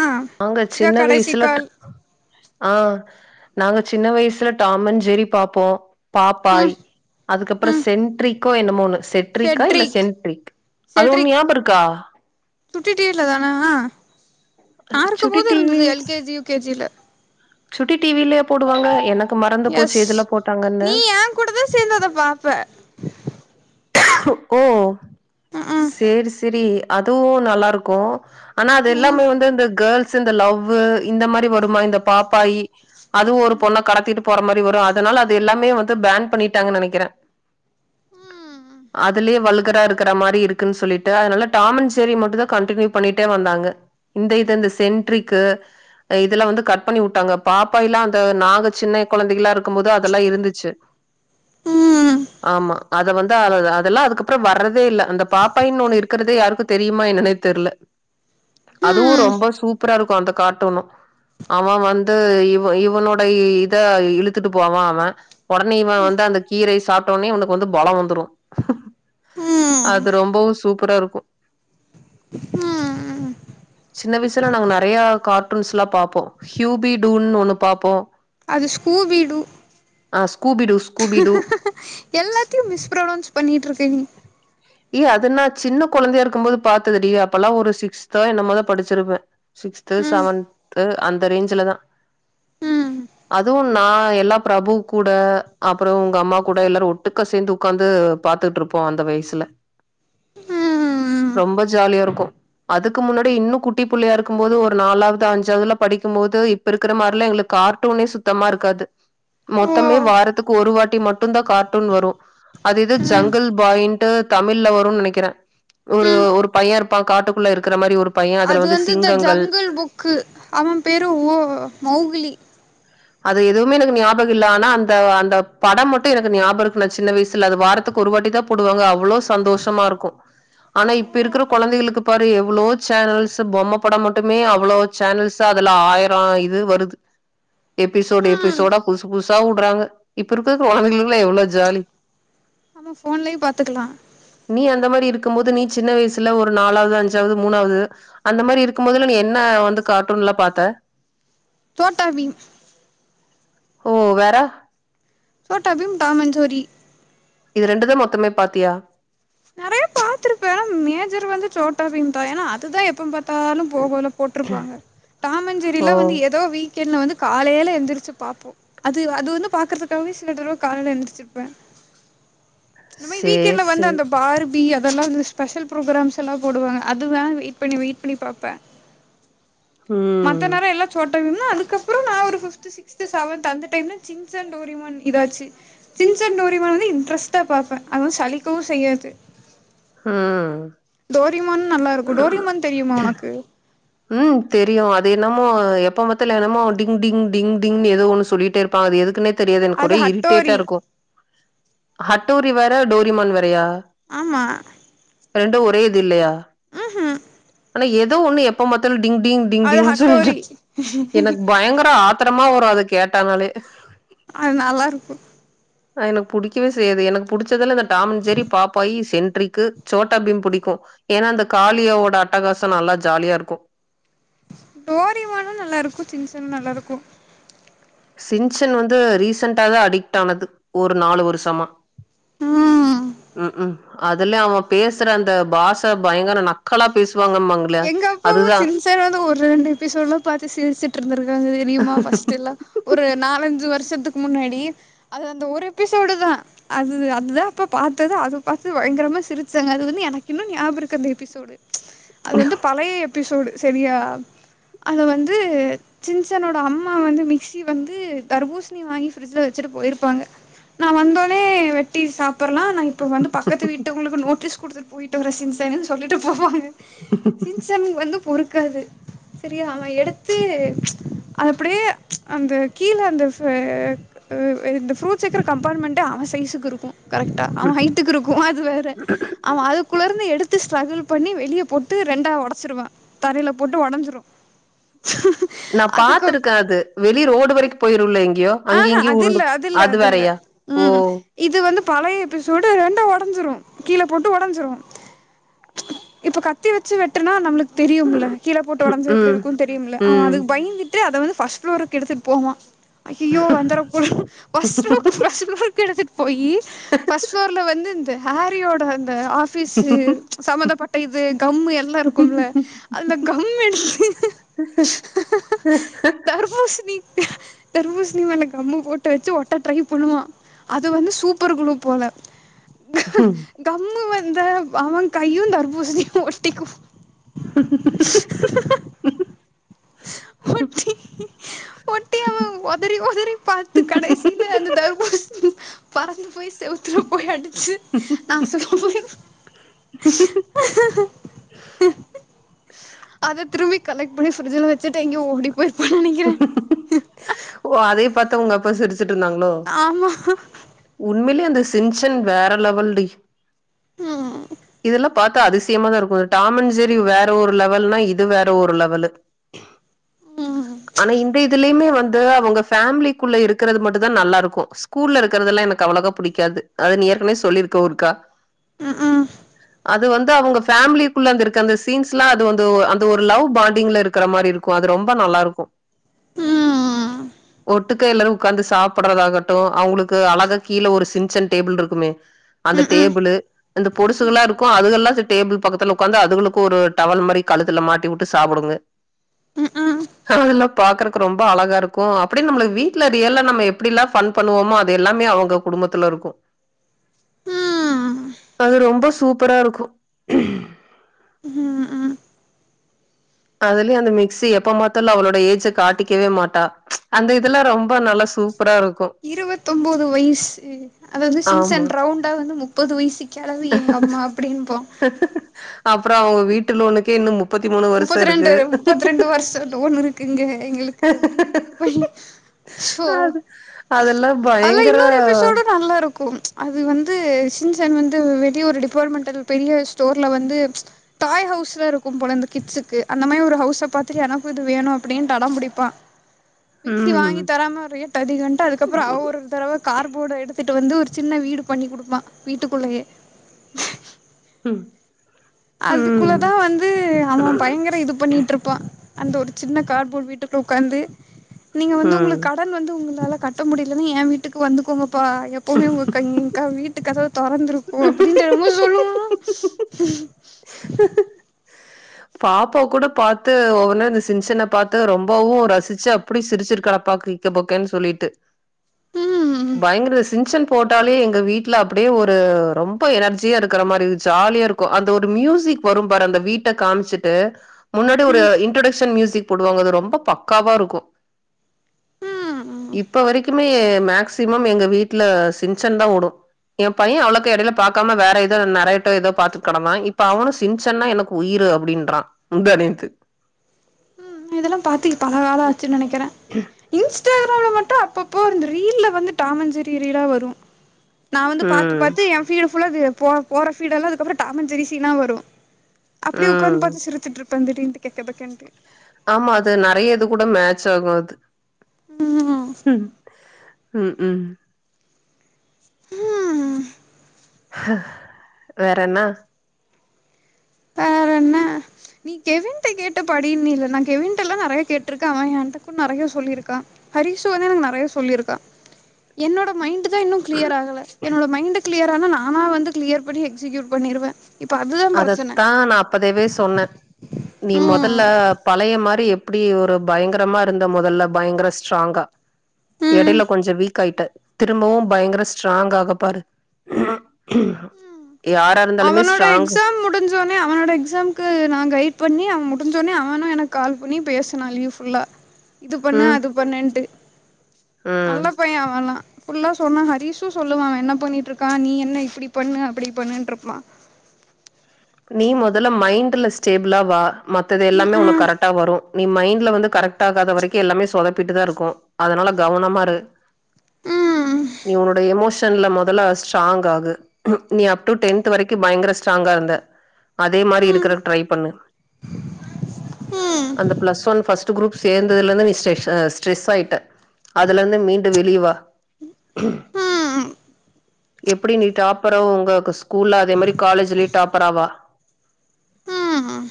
ஆ நாங்க இதா சின்ன கடைசி வயசுல ட்ரி கால் ஆ நாங்க சின்ன வயசுல டாமன் அன் ஜெரி பாப்போ பாப்பாய் ம் அதுக்கப்புற ம் சென்ட்ரிக்கோ என்னமோ ஒன்னு செட்ரிக்கா இல்ல செட்ரிக் சென்ட்ரிக் அது ஒண்ணு ஞாப இருக்கா சுட்டி டிவில தான நா இருக்கும் சுட்டி போது டிவி இருந்தது எல்கேஜி யுகேஜில சுட்டி டிவிலயா போடுவாங்க எனக்கு மறந்து போச்சு எதுல போட்டாங்கன்னு கூடவே சேந்து அத பாப்பே ஓ ம் சேரி சேரி அதுவு நல்லாருக்கு ஆனா அது ம் எல்லாமே வந்து இந்த கேள்ஸ் இந்த லவ் இந்த மாரி வருமா இந்த பாப்பாய் அதுவும் ஒரு பொண்ணை கடத்திட்டு போற மாரி வரு அதனால அது எல்லாமே வந்து பேன் பண்ணிட்டாங்கன்னு நெனக்கிறே ம் அதுலயே வல்கறா இருக் க்கற மாரி இருக்குன் சொல்லிட்டு அதனால டாமன் செர்ரி மட்டு தா கண்டினியூ பண்ணிட்டே வந்தாங்க இந்த இது இந்த சென்ட்ரிக்கு இதுலா வந்து கட் பண்ணி விட்டாங்க பாப்பாயல்லா அந்த நாங்க சின்ன கொழந்தைகள இருக்கும் போது அதெல்லா இருந்துச்சு ம் ஆமா அத வந் து அத அதெல்லா அதுக்கப்புற வர்றதே இல்ல அந்த பாப்பாயனு ஒண்ணு இருக்கதே யாருக்கு தெரியுமா என்னன்னே தெர்ல அதுவு ம் ரொம்ப சூப்பராருக்கு அந்த கார்ட்டூனு அவ வந்து இவ இவளோட இத இழுத்துட்டு போவா அவ ஒடனே இவ வந்து அந்த கீரைய சாப்பிட்டோனே இவனுக்கு வந்து பலம் வந்துடு ம் அது ரொம்பவு சூப்பராருக்கு ம் சின்ன வயசுல நாங்க நெறையா கார்ட்டூன்ஸ்ல்லா பாப்போ ஹியூபி டூன்னு ஒண்ணு பாப்போ அது ஸ்கூபீடு ஆ ஸ்கூபிடு ஸ்கூபிடு எல்லாத்தையு மிஸ்ப்ரனௌன்ஸ் பண்ணிட்டுருக்கீங் ஏ அது நா சின்ன கொழந்தையா இருக்கும் போது பாத்ததுடி அப்பெல்லா ஒரு சிக்ஸ்தா என்னமதா படிச்சிருப்பே சிக்ஸ்த்து ம் செவன்த்து அந்த ரேஞ்ச்லதா ம் அதுவு நா எல்லா பிரபு கூட அப்புற உங்க அம்மா கூட எல்லாரு ஒட்டுக்கா சேந்து ஒக்காந்து பாத்துட்டு இருப்போ அந்த வயசுல ம் ரொம்ப ஜாலியாருக்கு அதுக்கு முன்னாடி இன்னும் குட்டி புள்ளையா இருக்கும் போது ஒரு நாலாவது அஞ்சாவதுல படிக்கும்போது இப்ப இருக்கற மாறிலா எங்களுக்கு கார்ட்டூனே சுத்தமா இருக்காது ஓ மொத்தமே வாரத்துக்கு ஒரு வாட்டி மட்டுந்தான் கார்ட்டூன் வரும் அது இது ம் ஜங்கல் பாய்யிண்ட்டு தமிழ்ல வரும்னு நெனக்கிறேன் ஒரு ம் ஒரு பையன் இருப்பான் காட்டுக்குள்ள இருக்கற மாறி ஒரு பையன் அதுல வந்து சிங்கங்கள் க்கு அவன் பேரும் ஓ மௌகுலி அது எதுவுமே எனக்கு ஞாபகம் இல்ல ஆனா அந்த அந்த படம் மட்டும் எனக்கு ஞாபகம் இருக்கு நான் சின்ன வயசுல அது வாரத்துக்கு ஒரு வாட்டி தா போடுவாங்க அவ்ளோ சந்தோஷமா இருக்கும் ஆனா இப்ப இருக்கிற குழந்தைகளுக்கு பாரு எவ்ளோ சேனல்ஸ் பொம்ம படம் மட்டுமே அவ்ளோ சேனல்ஸ் அதுல ஆயிர இது வருது எபிசோட் ம் எபிசோடா புதுசு புதுசா வுட்றாங்க இப்ப இருக்கிற குழந்தைகளுக்கெலாம் எவ்ளோ ஜாலி ஆமா ஃபோன்லயும் பாத்துக்கலா நீ அந்த மாறி இருக்கும் போது நீ சின்ன வயசுல ஒரு நாலாவது அஞ்சாவது மூணாவது அந்த மாறி இருக்கும் போதுல நீ என்ன வந்து கார்ட்டூன் லா பாத்த சோட்டா பீம் ஓ வேற சோட்டாபீம் டாமன் சோரி இது ரெண்டுதா மொத்தமே பாத்தியா நெறைய பாத்திருப்பே மேஜர் வந்து சோட்டா பீம் தா ஏனா அதுதா எப்ப பாத்தாலும் போகோல போட்ருப்பாங்க ஓ டாமஞ்செரில வந்து ஏதோ வீக்கெண்ல வந்து காலையில எந்திரிச்சி பாப்போ அது அது வந்து பாக்குறதுக்காகவே சில தடவ வந்து காலைல எந்திச்சிருப்பே இந்த மாறி வீக்கெண்ட்ல சேர் வந்து சேர் அந்த பார்பி அதெல்லாம் ஸ்பெஷல் ப்ரோக்ராம்ஸ் ல போடுவாங்க அதுதா வெயிட் பண்ணி வெயிட் பண்ணி பாப்ப ம் மத்த நேர எல்லா சோட் அனா அதுக்கப்புறம் நான் ஒரு ஃபித்து சிக்த்து செவன்த்து அந்த டைம்ல சிஞ்சான் டோரிமான் இதாச்சு சிஞ்சான் டோரிமான் வந்து இன்ட்ரெஸ்ட்டா பாப்பேன் அது சளிக்கவும் செய்யாது ம் டோரிமான்னு நல்லாருக்கும் டோரிமான் தெரியுமா உனக்கு ம் தெரியும் அது என்னமோ எப்ப பாத்த இ என்னமோ டிங் டிங் டிங் டிங்னு ஏதோ ஒன்னு சொல்லிட்டே இருப்பாங்க அது எதுக்குனே தெரியாது எனக்கு அது ஒரே இரிட்டேட்டா ஹட்டோரி இருக்கும் ஹட்டோரி வேற டோரிமான் வேறையா ஆமா ரெண்டும் ஒரே இது இல்லையா ம்ஹும் ஆனா ஏதோ ஒண்ணு எப்ப பாத்தாலும் டிங்டிங் அது டிங்டிங்னு சொல்லிட்டே ஹட்டோரி இரு எனக்கு பயங்கர ஆத்த ஆத்திரமா வரும் அதை கேட்டானாலே அது நல்லாருக்கும் அ எனக்கு புடிக்கவே செய்யாது எனக்கு புடிச்சதுல டாமன்ட் சேரி பாப்பாயி சென்ட்ரிக்கு சோட்டாபீம் பிடிக்கும் ஏனா அந்த காளியவோட அட்டகாசம் நல்லா ஜாலியா இருக்கும் டோரிமானும் நல்லாருக்கும் சின்சானும் நல்லாருக்கும் சின்சன் வந்து ரீசன்ட தான் அடிக்ட் ஆனது ஒரு நாலு வருஷமா ம் ம்ம் அதுலயே அவன் பேசுற அந்த பாசை பயங்கர நக்கலா பேசுவாங்கம்மாங்க எங்க அப்பாவும் சின்சான்வது ஒரு ரெண்டு எபிசோட்லாம் பாத்து சிரிச்சிட்டுருந்திருக்காங்க தெரியுமா பஸ்ட் எல்லாம் ஒரு நாலஞ்சு வருஷத்துக்கு முன்னாடி அது அந்த ஒரு எபிசோடு தான் அது அதுதா அப்ப பாத்தது அது பாத்து பயங்கரமா சிரிச்சாங்க அது வந்து எனக்கு இன்னு ஞாப இருக்கு அந்த எபிசோடு அது வந்து பழைய எபிசோடு செரியா அது வந்து சின்சனோட அம்மா வந்து மிர்சி வந்து தர்பூசணி வாங்கி பிரிட்ஜில வெச்சுட்டு போயிருப்பாங்க நா வந்தோனே வெ ட்டி சாப்பற்லா நான் இப்ப வந்து பக்கத்து வீட்டுவங்களுக்கு நோட்டீஸ் குடுத்துட்டு போயிட்டு வர சின்சேன்னு சொல்லிட்டு போவாங்க [unintelligible] சின்சான் வந்து பொறுக்காது செரியா அவன் எடுத்து அது அப்டியே அந்த கீழ அந்த ப அ இந்த ஃப்ரூட்ஸ் வெக்குற கம்பாரண்ட்மெண்டே அவன் சைசுக்கு இருக்கு கரெக்டா அவன் ஹட்டுக்கு இருக்கு அது வேற அவன் அது குள்ளர்ந்து எடுத்து ஸ்ட்ரகுள் பண்ணி வெளிய போட்டு ரெண்டா உடச்சிருவா தரையில போட்டு உடஞ்சிரு நா பாத்திருக்கே அது வெளி ரோடு வரைக்கு போயிரும்ல எங்கேயோ அங்கி ஆஹா இங்கியும் அது இல்ல உருண்டு இல்ல அது இல்ல வேறையா ஓ ம் இது வந்து பழைய எபிசோடு ரெண்டா உடஞ்சிரு கீழ போட்டு உடஞ்சிரு இப்ப கத்தி வெச்சு வெட்டுனா நம்ளுக் தெரியும்ல கீழ போட்டு உடஞ்சா எப்டி ம். இருக்கு தெரியும்ல அவன் அது பயந்துட்டு அத வந்து ஃபஸ்ட்டு ஃப்ளோருக்கு எடுத்துட்டு போவா ஐய்யய்யோ வந்துறபோறா ஃபஸ்ட்ரோக்கு ஃபர்ஸ்ட் ஃப்ளோருக்கு எடுத்துட் போயி ஃபர்ஸ்ட் ஃபளோர்ல வந்து இந்த ஹேரியோட அந்த ஆபீஸ் சம்பந்தப்பட் ட இது கம் எல்லா இருக்கும்ல அந்த கம் எடுத்து தர்பூசணி தர்பூசணி மேல கம்மு போட்டு வெச்சு ஒட்ட ட்ரை பண்ணுவா அது வந்து சூப்பர் குளு போல ம். கம்மு வந்த அவன் கையு தர்பூசணியு ஒட்டிக்கு ஒட்டி ஒட்டி அவ ஒதரி ஒதரி பாத்து கடைசியில அந்த தர்பூசணி பறந்து போய் செவுத்துல போய் அடிச் சு நாசனமா போயிரு அத திரும்பி கலெக்ட் பண்ணி ஃப்ரிட்ஜ்ல வெச்சுட்டு எங்கயோ ஓடிப் ஓ அதயு பாத்து உங்க அப்பா சிரிச்சுட்டு இருந்தாங்ளோ ஆமா உண்மையிலே அந்த சின்சன் வேற லெவல்டி ம் இதெல்லா பாத்தா அதிசயமா தா இருக்கு டாமன் ஜெரி வேற ஒரு லெவல்ன்னா இது வேற ஒரு லெவலு ம் ஆனா இந்த இதுலயுமே வந்து அவங்க ஃபேமிலிக்குள்ள இருக்கிறது மட்டு தா நல்லா இருக்கு கூல்ல இருக்கதெல்லா எனக்கு அவ்ளோகா புடிக்காது அது நீ ஏற்கனவே சொல்லிருக்க ஒருக்கா உம் அது வந்து அவங்க ஃபேம்லிக்குள்ள அந்த இருக்க அந்த சீன்ஸ்ல்லா அது வந்து அந்த ஒரு லவ் பாண்டிங்ல இருக்கிற மாரி இருக் கு அது ரொம்ப நல்லா இருக்கு ம் ஒட்டுக்க எல்லாரும் உக்காந்து சாப்பறதாகட்டு அவுங்ளுக்கு அழகா கீழ ஒரு சின்சன் டேபிள் இருக்குமே அந்த ம்ம் டேபுளு இந்த பொடுசுகள்ளா இருக்கு அதுகேல்லா செந் டேபிள் பக்கத்துல உக்காந்து அதுகுளுக்கு ஒரு டவல் மாரி கழுத்துல மாட்டி வுட்டு சாப்புடுங்க ம்ம் அதெல்லா பாக்குறக்கு ரொம்ப அழகா இருக்கு அப்டியே நம்மளுக்கு வீட்ல ரியல்லா நம்ம எப்டில்லா ஃபன் பண்ணுவோமோ அது எல்லாமே அவங்க குடும்பத்துல இருக்கு ம் அது ரொம்ப சூப்பரா இருக்கு ம் அ ஆ அதுலயு அந்த மிக்சி எப்ப மாத்தாலு அவளோட ஏஜ காட்டிக்கவே மாட்டா ம்ச் அந்த இதுல ரொம்ப நல்லா சூப் புறா இருக்கு இருவத்தொம்போது வயிசு அதாவது ஆமா சின்சன் ரவுண்டா வந்து முப் முப்பது வயிசுக் கெளவி எங்க அம்மா அப்டின்பா அப்புறோ அவங்க வீட்டு லோன்னுக்கே இன்னும் முப் முப்பத்து ரெண்டு முப்பத்து ரெண்டு வருஷோ லோன் இருக்குங்க எங்களுக்கு அப்டின்டு இது பை சோ அது அதெல்லா அதுல பயங்கர இன்னொரு எபிசோடு நல்லா இருக்கும் அது வந்து சின்சன் வந்து வெளிய ஒரு டிபார்ட்மெண்டல் பெரிய ஸ்டோர்ல வந்து ம்ச் டாய் ஹவுஸ்லா இருக்கும் போல இந்த கிட்ஸுக்கு அந்த மாரி ஒரு ஹவுஸ்ஸ பாத்துட்டு எனக்கு இது வேணு அப்டின்டு அடம் புடிப்பா மிக்சி ம் வாங்கி தராம ஒரே ட்டதி கண்ட அதுக்கப்புறோ அவ்வ ஒரு தடவ கார் போட எடுத்துட்டு வந்து ஒரு சின்ன வீடு பண்ணி குடுப்பா வீட்டுக்குள்ளயே ம் ம் அதுக்குள்ளதா வந்து அவ பயங்கர இது பண்ணிட்டு இருப்பா அந்த ஒரு சின்ன கார்போடு வீட்டுக்குள்ள உக்காந்து நீங்க வந்து ம் உங்களுக்கு கட ன் வந்து உங்களால கட்ட முடியலன்னா எ வீட்டுக்கு வந்துக்கோங்கப்பா எப்போமே உங்க கை எங்கா வீட் ட்டு கதவு தொறந்துருக்கு அப்டின்டு என்னமோ சொல்லுவா பாப்பா கூட பாத்து ஒவ்வொன்னு இந்த சின்சன்ன பாத்து ரொம்பவு ரசுச்சு அப்புடி சிருச்சுட்டுக்கடப்பா [unintelligible] கெக்க புக்கேன் சொல்லிட்டு ம் பயங்கர சின்சன் போட்டாலே எங்க வீட்ல அப்டியே ஒரு ரொம்ப எனர்ஜியா இருக்குற மாரி ஜாலியா இருக் க்கு அந்த ஒரு மியூசிக் வரும் பாரு அந்த வீட்ட காமுச்சுட்டு முன்னாடி ஒரு ம் இன்ட்ரொடக்ஷன் மியூசிக் போடுவாங்க அது ரொம்ப பக்காவா இருக்கு ம் இப்ப வரைக்குமே மேக்சிமம் எங்க வீட்ல சின்சன்தா ஓடு எம் பைய அவ்ளோக்கா எடைல பாக்காம வேற எதோ நறையாட்டோ எதோ பாத்துட் கடந்தா இப்ப அவனு சிச்சன்னா எனக்கு உயிர் ட்டு அப்டின்றா முந்தா நேத்து நா இதெல்லாம் பாத்தி பல காலோ ஆச்சுன் நெனைக்கிற இன்ஸ்டாகிராம்ல மட்டு அப்பப்போ இருந்த ரீல்லா வந்து டாமஞ்ஜெரி ரீலா வரு நா வந்து பாத்து ம் பாத்த எம் ஃபீடு ஃபுல்லா அது போல போற ஃபீட எல்லா அதுக்கப்புறோ டாமஞ்ஜெரி சீனா வரு அப்புடியே ம் உக்காந்து பாத்த சிரிச்சுட்ருப்ப திடீர்ன்டு கெக்க புக்கேன்ட்டு ஆமா அது நறையா இது கூட மேச் ஆகு அது ம் ம் ம் ம் ம் வேற என்னா என்னா நீ கெவின்ட்ட கேட்டு படினு இல்ல நா கெவின்டல்லா நறையா கேட்ருக்க அவ எனத்துக்கு நறையா சொல்லிருக்கா ஹரீசு வந்து எனக்கு நறையா சொல்லிருக்கா என்னோட மைண்டு தா இன்னு கிளியர் ஆகல என்னோட மைண்டு கிளியர் ஆனா நானா வந்து கிளியர் பண்ணி எக்ஸிகியூட் பண்ணிருவ இப்போ அதுதாம் பிரச்சன ஆனா நா அப்பதேவே சொன்ன நீ மொதல்ல ம் பழைய மாரி எப் அப்டி ஒரு பயங்கரமா இருந்த மொதல்ல பயங்கர ஸ்ட்ராங்கா ம் எடைல கொஞ்சோ வீக் காயிட்ட திரும்பவு பயங்கர ஸ்ட்ராங்க்காக பாரு யாரா இருந்தாலுமே ஸ்ட்ராங்கு உ முடிஞ்சோனே அவனோட எக்ஸம்க்கு நா கைட் பண்ணி அவ் முட் டுன்ஜோனே அவனு எனக் கால் பண்ணி பேசுனா லீவ் ஃபுல்லா இது பண்ணு ம் அது பண்ணுன்ட்டு ம் நல்ல பையெ அவலா ஃபுல்லா சொன்னா ஹரீஷு சொல்லுவா அவ என்ன பண்ணிட்ருக்கா நீ என்ன இப்புடி பண்ணு அப்புடி பண்ணுன்ட்ருப்பா நீ மொதல்ல மைண்ட்ல ஸ்டேபுளா வா மத்தது ம் எல்லாமே உன ம் கரட்டா வரு நீ மைண்ல வந்து கரக்ட் ஆகாத வரைக்கி எல்லாமே சொதப்பிட்டு தா இருக்கு அதனால கவனமாரு ம் நீ உன்னோட எமோஷன்ல மொதல்ல ஸ்ட்ராங் ஆகு ஹு நீ அப்ட்டு டென்த் வரைக்கி பயங்கர ஸ்ட்ராங்காருந்த அதே மாரி இருக்கறக் ட்ரை பண்ணு ம் அந்த ப்ளஸ் வன் ஃபஸ்ட்டு க்ரூப் சேந்துலந்து நீ ஸெஷ்ஷாஸ் ஸ்ட்ரெஸ் ஆய்ட்ட அதலுந்து மீண்டு வெளியவா ம் ம் எப்படி நீ டாப்பறோ உங்கக்கு ஸ்கூல்ல அதே மாரி காலேஜ்லி டாப் ப்பறாவா ம்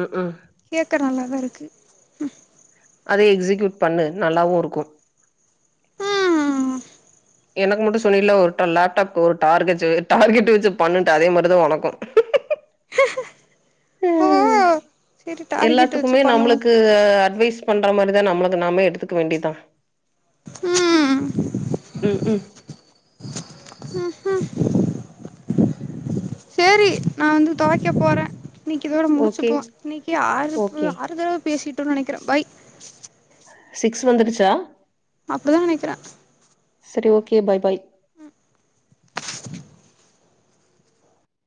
உஉ கேக்க நல்லாதாருக்கு ஹு அதே எக்ஸிக்யூட் பண்ணு நல்லாவு ருக்கு ம் எனக்கு மட்டு சொன்னீல ஒர்ட்டூ லேப்டாப்க்கோர் டார்கெஜு டார்கெட் வெச்சு பண்ணுன்ட்டு அதே மார்தா ஒனக்கு ஓ அய் செரி டார்கெட் வச்சு எல்லாத்துக்குமே பண்ணுவோ நம்ளுக்கு அட்வைஸ் பண்ற மாரிதா நம்ளுக்கு நாமே எடுத்துக்க வேண்டிதா ம் உ உ ம் சேரி நா வந்து துவைக்க போறே நீக்கி இதோட ஓகே முடிச்சுப்போ இன்னிக்கி ஆறுப்பு ஓகே ஆறு தடவ பேசிட் டு நனக்கிறே பாய் சிக்ஸ் வந்துருச்சா அப்டிதா நினைக்கிற சரி ஓகே பாய் பாய்